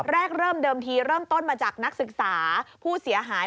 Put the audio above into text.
เริ่มเดิมทีเริ่มต้นมาจากนักศึกษาผู้เสียหาย